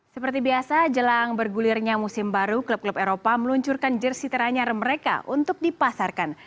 seperti biasa jelang bergulirnya musim baru klub klub eropa meluncurkan jersi teranyar mereka untuk dipasarkan